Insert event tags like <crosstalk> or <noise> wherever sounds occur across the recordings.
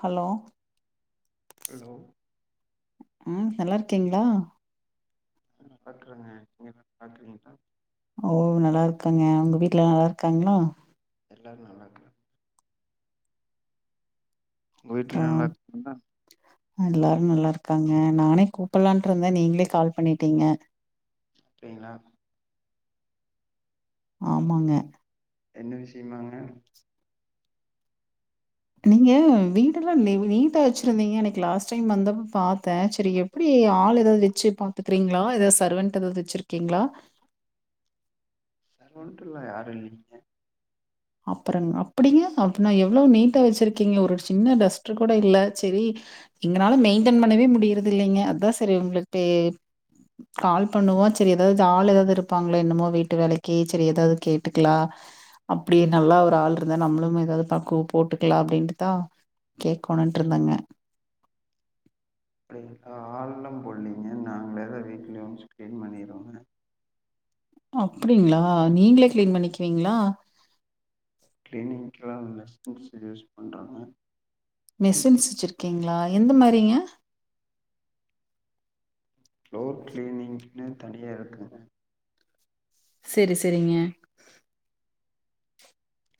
Hello hello ம் நல்லாருக்கிங்ளா ம் நல்லார்க்கேங்க நீங் நல்லாருக்கிங்ளா ஓ நல்லாருக்கங்க உங்க வீட்ல நல்லாருக்காங்ளா எல்லாரு நல்லார்க்கா உங்க வீட்ல நல்லார்காங்ளா அ எல்லாரு நல்லாருக்காங்க நானே கூப்பல்லான்ட்டுருந்த நீங்ளே கால் பண்ணிட்டிங்க அப்டிங்ளா ஆமாங்க என்ன விஷயமாங்க நீங்க வீட் டெல்லா நீவ் நீட்டா வெச்ருந்தீங்க எனக் லாஸ் டைம் வந்தப்ப பாத்தே ச்சரி எப் ப்டி ஆள் ஏதாவ்து வெச்சு பாத்துக்றீங்ளா ஏதாவ் சர்வென்ட் ஏதாவ்து வச்சிருக்கீங்ளா சர்வன்ட் எல்லா யாரு இல்லிங்க அப்பறங் அப்படிங்க அப்பன்னா எவ்ளோ நீட்டா வச்சிருக்கீங்க ஒரு சின்ன டஸ்ட்டு கூட இல்ல ச்செரி எங்கனால மெய்ன்டன் பண்ணவே முடியிற்த் இல்லைங்க அதா சரி உங்ளுக்டே கால் பண்ணுவா ச்சரி ஏதாவ்து ஆள் ஏதாவ்து இருப்பாங்ளா என்னமோ வீட்டு வேலைக்கி ச்சரி ஏதாவ்து கேட்டுக்லா ப்டி நல்லா ஒரு ஆள் ருந்தா நம்மளும் ஏதாவ்து பக்கு போட்டுக்கலா அப்டின்ட்டுதா கேக்கணுன்ட்ருந்தாங்க ப்டி ஆ ஆலெள்லா போட்லைங்க நாங்களே தா வீட்லியு சுத் க்ளீன் பண்ணீரோங்க அப்டிங்ளா நீங்களே க்ளீன் பண்ணிக்குவீங்ளா க்ளின் ட்ரா லஸ் <unintelligible> யூஸ் பண்றாங்க மெசின்ஸ் வச்சிர்க்கீங்ளா எந்த மாரிங்க ஃப்ளோர் க்ளீனிங்க்னு தனியா இருக்குங்க செரி செரிங்க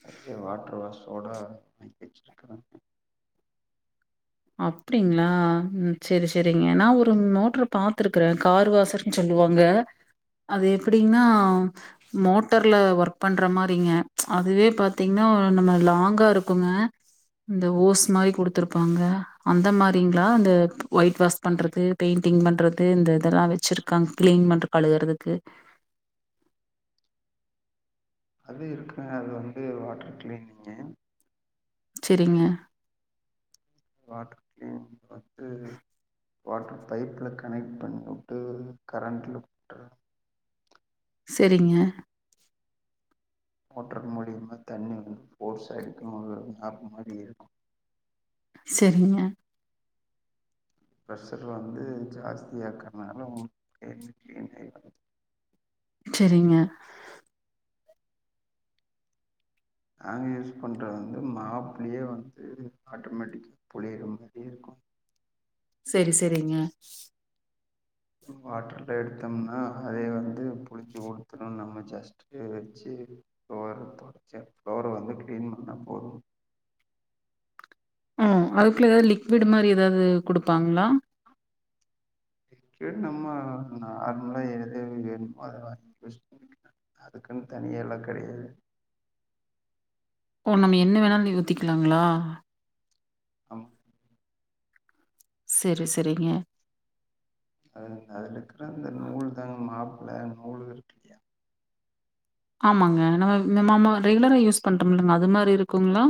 நறியா வாட்டர் வாஷோட வை வெச்சிட்ருக்காங்க அப்டிங்ளா ம் சரி சரிங்க நா ஒரு நோட்ரு பாத்துருக்றேன் கார் வாசர் சொல்லுவாங்க அது எப்படின்னாவ் மோட்டர்ல வர்க் பண்ற மாரிங்க அதுவே பாத்தீங்னா நம்ம லாங்கா இருக்குங்க இந்த ஓஸ் மாரி குடுத்துருப்பாங்க அந்த மாரிங்ளா இந்தப் ஒயிட் வாஸ் பண்றது பெய்ண்டிங் பண்றது இந்த இதெல்லா வை ச்சிருக்காங் க்ளீன் மற்று கழுகுறதுக்கு அது இருக்க அது வந்து வாட்டர் க்ளீனிங்கே ச்செரிங்க வாட்டர் க்ளீன் பத்து வாட்டர் பைப்ல கனக் பண்ணிவுட்டு கரண்ட் லுக் ட்ரா செரிங்க மோட்டர் மூலியமா தண்ணி வந்து ஃபோர்ஸா அடிக்கு மாங்க மேப் மாரி இருக்கு செரிங்க ப்ரஷர் வந்து ஜாஸ்தியா இருக்கற்னாலோம் என்கு க்ளீ <inaudible> ச்சரிங்க நாங்க யூஸ் பண்றது வந்து மாப்ளியே வந்து ஆட்டோமேட்டிக்கு புளிற மாதியே இருக்கு சரி சரிங்க ஹு வாட்டர்ல எடுத்தம்னா அதே வந்து புளிஜ்ஜு ஊத்துணு நம்ம ஜாஸ் ஏ வெச்சு ஃப்ளோர தொடச்ச ஃப்ளோர வந்து க்ளீன் பண்ணா போது உ அதுக்குள்ள ஏதாவ் லிக்விடு மாரி ஏதாவ்து குடுப்பாங்ளா லிக்யூட் நம்மா நார்மலா எழதேவி யென் பரவாலி வெஸ்ட் <inaudible> அதுக்குன் தனியாளா கடையாது ஓ நம் என்ன வேணாலு ந்யு ஊத்திக்லாங்ளா அம்மா சரி சரிங்க அ அதுல இக்ற அந்த நூல்தாங்மாப்ல நூலு பேரு கிட்யா ஆமாங்க நம இந்த மாமா ரெகுலரா யூஸ் பண்றோம்லம் அது மாரி இருக்குங்ளா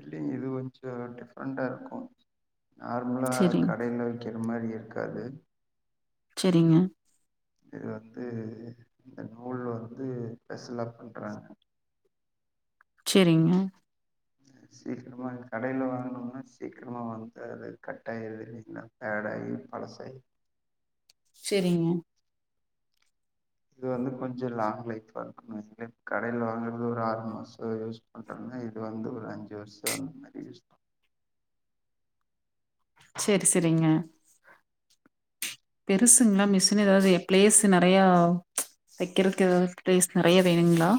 இல்லைங்க இது கொஞ்சோ டிஃப்ரெண்ட்டா இருக்கு நார்மலா சரிங் கடைலவி கிற மாரி இருக்காது செரிங்க இது வந்து இந்த நூல் வந்து பெசலா பண்றாங்க செரிங்க உன்னிய சே சீக்கிரமா கடையில வாங்கனோம்னா சீக்கிரமா வந்து அது கட்டாய்றது இல்லீங்ன்னா ஃபேடாகி பழசாகி செரிங்க இது வந்து கொஞ்சோ லாங் லைஃப்பா இருக்கு இதுவே கடையில வாங்கறது ஒரு ஆறு மாசோ யூஸ் பண்றோங்க இது வந்து ஒரு அஞ்சு வர்ஷோ அந்த மாரி யூஸ் தா செர் செரிங்க பெருசுங்ளா மிஷினு எதாவ்து பிளேஸ்சு நெறைய வெக்கிறக்கு எதாவ்து ப்ளேஸ் நெறைய வேணுங்ளா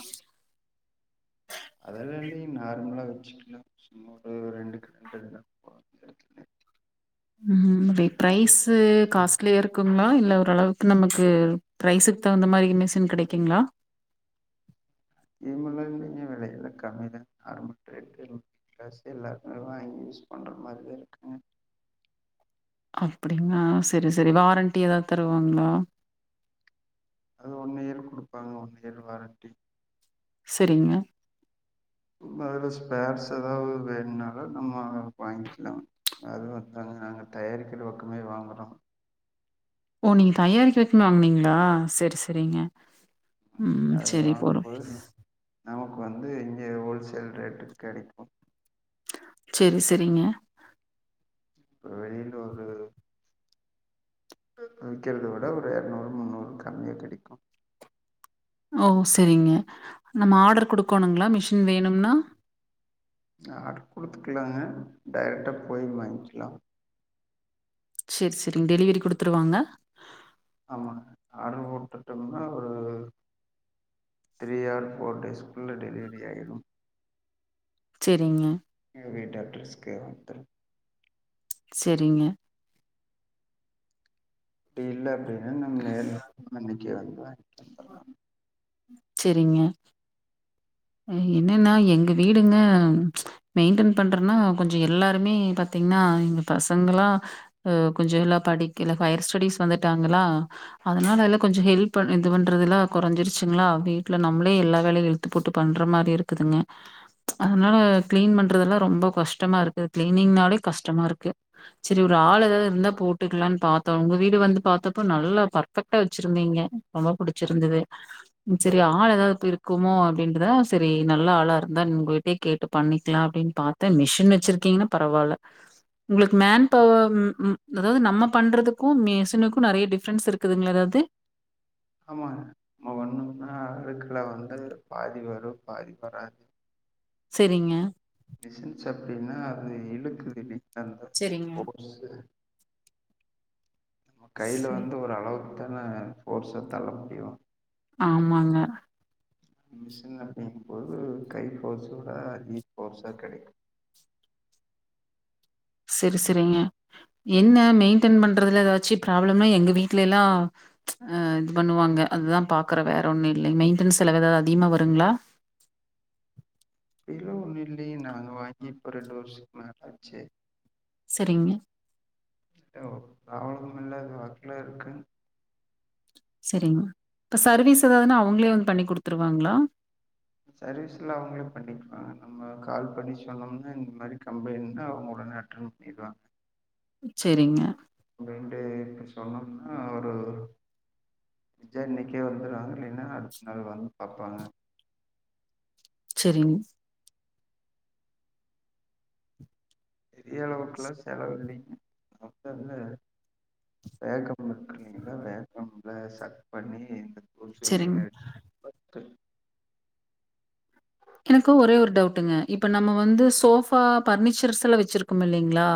அதல்ல ஒன்னில நார்மலா வச்சுக்கலா சும்மா ஒரு ரெண்டுக்கு ரெண்டு இருந்தா போது <unintelligible> ம் இந்த பிரைஸ்சு காஸ்ட்லியா இருக் க்குங்ளா இல்ல ஒரு அளவுக்கு நமக்கு பிரைஸுக்கு தகுந்த மாரி மிஷின் கெடைக்குங்ளா இல்லீங்க இல்லீங்க அது வெல கம்மி தா <unintelligible> ட்ரெஸ் எல்லாருக்குமே வாங்கி யூஸ் பண்ற மாரிதா இருக்குங்க அப்டிங்ளா செரி செரி வாரண்ட்டி எதாவ் தருவாங்ளா அது ஒன் இயர் குடுப்பாங்க ஒன் இயர் வாரண்ட்டி செரிங்க வேற ஸ்பேர்ஸ் எதாவ்து வேணும்னாலு நம்ளா வாய்ங்கிலா அதுவு வந்துங்க நாங்க தயாரிக்கிற பக்கமே வாங்குறோ ஓ நீங்க தயார் வெக்ணு வாங்னீங்ளா செரி செரிங்க ம் அது செரி வாங்கும் போறோம் பொழுது நமக்கு வந்து இங்கே ஹோல்சேல் ரேட்டுக்கு கெடைக்கோ செரி செரிங்க கொஞ்சோ நீண்டாவ்து விக்கிறத விட ஒரு எர்நூறு முன்னூறு கம்மியா கெடைக்கு ஓம் செரிங்க நம்ம ஆடரு குடுக்கணுங்ளா மிஷின் வேணும்னா ஆர்டர் குடுத்துக்கலாங்க டேரெக்டா போய் வாய்ங்க்கலா செர் செரி டெலிவரி குடுத்துருவாங்ள ஆமாங்க ஆர்டர் ஓணு குடுத்தோம்னா ஒரு த்ரீ ஆர் ஃபோர் டேஸ்க்குள்ள டெலிவரி ஆய்டோ செரிங்க என் வீட்டு அட்ரஸ்க்கே வந்துரோ செரிங்க அப்டி இல்ல அப்டின்னா நம்ம நேர்ல அன்னைக்கு வந்து வாங்கிட்டு வந்துல்லா செரிங்க எனக் என்னென்ன எங்க வீடுங்க மெயின்டென் பண்றேனா கொஞ்சோ எல்லாருமே பாத்தீங்ன்னா எங்க பசங்களா கொஞ்சோ எல்லா படிக்கல இப்ப ஹையர் ஸ்டடீஸ் வந்துட்டாங்ளா அதனால எல்லா கொஞ்சோ ஹெல்ப் இது பண்றதுல்ல கொறஞ்சிருச்சுங்ளா அப்டே வீட்ல நம்ளே எல்லா வேலயு இழுத்து போட்டு பண்ற மாரி இருக்குதுங்க அதனால கிளீன் பண்றதெல்லா ரொம்ப கஷ்டமா இருக்கு கிளீனிங்னாலே கஷ்டமா இருக்கு செரி ஒரு ஆள் எதாவ்து இருந்தா போட்டுக்கலான் பாத்தோ உங்க வீடு வந்து பாத்தப்போ நல்லா பக் பக்கா வச்சிருந்தீங்க ரொம்ப புடிச்சிருந்தது சரி ஆள் எதாவ்து இருக்குமோ அப்டின்ட்டுதா சரி நல்லா ஆளா ருந்தா உங்ககிட்டேயெ கேட்டு பண்ணிக்லா அப்டின் பாத்தே மிஷின் வச்சுருக்கீங்னா பரவால்ல உங்களுக்கு மேன் பவர் ம் ம் அதாவது நம்ம பண்றதுக்கு மிஸினுக்கு நெறைய டிஃப்ரென்ஸ் இருக்குதுங்ளா எதாது ஆமாங்க நம்ம பண்ணம்னா அழுக்கலா வந்து பாதி வரு பாதி வராது செரிங்க மிசின்ஸ் அப்டின்னா அது இழுக்குது டி தங்க சரிங்க. போ <unintelligible> கையில சரி. வந்து ஒரு அளவு தன போர்ஸ்ஸா தள்ள முடியு ஆமாங்க மிஷின் அப்டிங்கும்போது கை போர்ஸோவிட அதிக போர்ஸா கெடைக்கு செரி செரிங்க என்ன மெயின்டென் பண்றதுல ஏதாச்சு ப்ராப்ளம்ம எங்க வீட்ல எல்லா ஆ இது பண்ணுவாங்க அத்தா பாக்குற வேற ஒண்ணு இல்ல மெயின்டன்ஸ் செலவு எதாது அதிகமா வருங்ளா பிலோ ஒன்னு இல்லையே நாங்க வாங்கி இப்ப ரெண்டு வர்ஷொ மேலாச்சு சரிங்க யோவ் அவங்கல்லா வொர்க்ல இருக்காங்க சரிங்ணா இப்போ சர்வீஸ் ஏதாவதுன்னா அவங்களே வந்து பண்ணி் கொடுத்துருவாங்ளா சர்வீஸ்லா அவங்களே பண்ணிக்குவாங்க நம்ம கால் பண்ணி சொன்னோம்னா இந்த மாரி கம்ப்ளைனா அவங்க ஒடனே அட்டன் இத்தா செரிங்க அப்டிஅப்டி சொன்னோம்னா அவரு நிஜா இன்னக்கே <unintelligible> இல்லேனா அடுத்த நாள் வந்து பாப்பாங்க சரிங் பெரிய அளவுக்கெல்லா செலவில்லேங்க மொத்தத்ல வேக்கம் இருக்குல்லேங்ளா வேக்கம்ல சக் பண்ணி இந்த பொய் சரிங்க. சொல்லில பத்து எனக்கு ஒரே ஒரு டவுட்டுங்க இப்ப நம்ம வந்து சோபா பர்னிச்சர்ஸ் எல்லா வச்சிருக்கொம்மில்லேங்ளா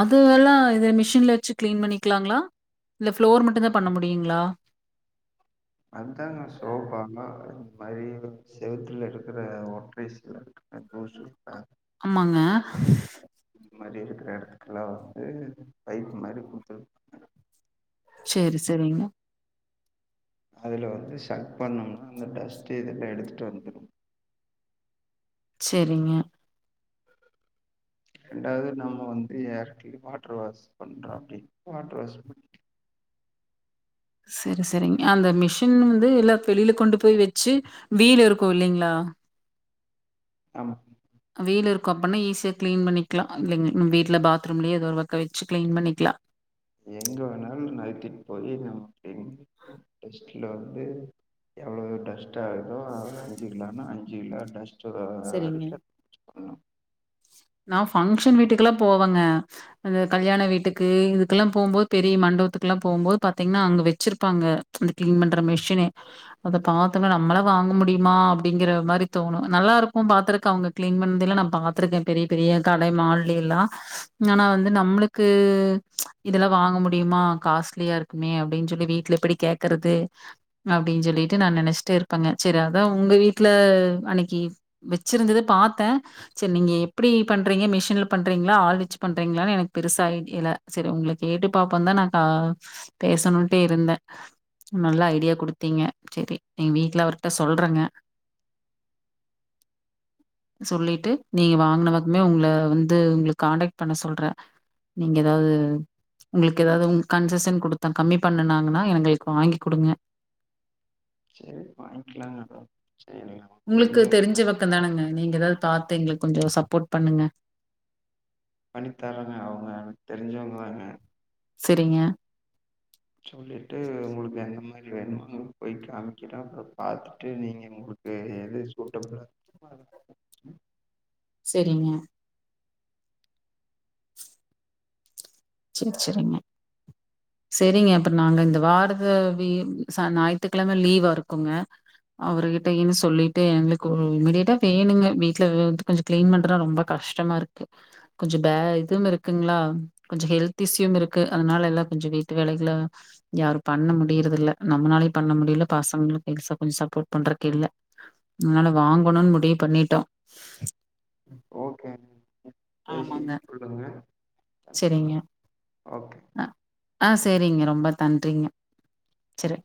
அது எல்லா இது மிஷின்ல வச்சு கிளீன் பண்ணிக்கலாங்ளா இல்ல ஃப்ளோர் மட்டுந்தா பண்ண முடியுங்ளா அத்தாங்க சோபாங்க இந்த மாரி செவத்துலறக்கற ஒற்றை சிலந்தி அப்பொ சோப்பா அம்மங்க இது மாரி இருக்கிற எடத்துக்கெல்லாம் வந்து பைப் மாரி கொடுத்துருபாங்க சேரி செரிங்க அதுல வந்து சக் பண்ணோம்னா அந்த டஸ்ட்டு இதுல எடுத்துட்டு வந்துரும் ச்செரிங்க ரெண்டாவது நம்ம வந்து யார்க்கி வாட்டர் வாஷ் பண்றோ அப்படி வாட்டர் வாஷ் பண்ணி சரி சரிங்க அந்த மிஷின் வந்து எல்லா வெளியில கொண்டு போய் வச்சு வீலு இருக்கு இல்லேங்ளா ஆமாங்க வீலு ருக்கும் அப்பன்னா ஈஸியா கிளீன் பண்ணிக்கலா இல்லெங்க வீட்ல பாத்ரூம்லயே ஏதோ ஒரு பக்க வச்சு கிளீன் பண்ணிக்லா எங்க வேணாலு நகத்திட்டு போயி நம்ம அப்ப <inaudible> டெஸ்ட்ட்ல வந்து எவ்ளவு டஸ்ட் ஆ ருக்கோ அது அஞ்சு கிலோனா அஞ்சு கிலோ டஸ் புல்லாகுற சரிங்க. வரைக்கு <inaudible> பண்ணு நான் ஃபங்க்ஷன் வீட்டுக்கெல்லா போவங்க அந்த கல்யாண வீட்டுக்கு இதுக்கெல்லா போகும்போது பெரிய மண்டபத்துக்குலா போகும்போது பாத்தீங்கன்னா அங்க வச்சிருப்பாங்க அந்த க்ளீன் பண்ற மெஷின்னே அத பாத்தமே நம்மள வாங்க முடியுமா அப்டிங்கிற மாரி தோணு நல்லா இருக்கு பாத்தருக்க அவங்க க்ளீன் பண்ணதலா நா பாத்துருக்கே பெரிய பெரிய கடை மால்லெ எல்லா ஆனா வந்து நம்ளுக்கு இதெல்லா வாங்க முடியுமா காஸ்ட்லியா இருக் மே அப்டின்னு சொல்லி வீட்ல எப்டி கேக்குறது அப்டின் சொல்லிட்டு நா நெனச்சிட்டே இருப்பேங்க சரி அதா உங்க வீட்ல அன்னிக்கு வச்சிருந்தது பாத்தே சேரி நீங்க எப்டி பண்றீங்க மிஷின்ல பண்றீங்களா ஆள் வச்சு பண்றீங்களான்னு எனக்கு பெருச ஐடியா இல்ல சரி உங்களுக் கேட்டு பாப்போந்தா நா கா பேசணுன்ட்டே இருந்தே நல்லா ஐடியா குடுத்தீங்க சேரி எங் வீட்ல அவர்ட்ட சொல்றேங்க சொல்லிட்டு நீங்க வாங் நமக்குமே உங்கள வந்து உங்களுக் கான்டேக்ட் பண்ண சொல்றே நீங்க எதாவது உங்களுக்கெதாது கன்ஜெஷன் குடுத்தங் கம்மி பண்ணுனாங்கன்னா எங்களுக்கு வாங்கி குடுங்க சேரி வாங்கிக்கலாங்க அப்றோ சேரிங்களா உங்களுக்கு தெரிஞ்ச பக்கந்தானங்க நீங்க எதாது பாத்து எங்களுக்கு கொஞ்சோ சப்போர்ட் பண்ணுங்க பண்ணி தரேங்க அவங்க எனக் தெரிஞ்சவங்க தாங்க செரிங்க சொல்லிட்டு உங்களுக்கெந்த மாரி வேணுமோ <inaudible> போய் காமிக்ற அப்றோ பாத்துட்டு நீங்க உங்களுக் எது எது சூட்டப்லா <inaudible> செரிங்க செரி செரிமா செரிங்க அப்றோ நாங்க இந்த வாரத்து வி சன் ஞாயித்துக்கெழம லீவாருக்குங்க அவர்கிட்டயு சொல்லிட்டு எங்களுக்கு இமிடியட்டா வேணுங்க வீட்ல வ கொஞ்சோ க்ளீன் பண்றதா ரொம்ப கஷ்டமாருக்கு கொஞ்சோ பே இதுனுருக்குங்களா கொஞ்சோ ஹெல்த் இஸ்யும் இருக்கு அதனால எல்லா கொஞ்சோ வீட்டு வேலைகள யாரு பண்ண முடியுறதில்ல நம்மனாலயு பண்ண முடியல பசங்களுக் பெருசா கொஞ்ச சப்போர்ட் பண்றதுக்கில்ல அதனால வாங்கணுன் முடிவு பண்ணிட்டோ ஓகே பேசி சொல்லுங்க செரிங்க ஓகே அ ஆ செரிங்க ரொம்ப தன்றிங்க செரி